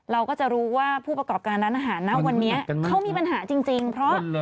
เราก็จะรู้ว่าผู้ประกอบการร้านอาหารนะวันนี้เขามีปัญหาจริงเพราะ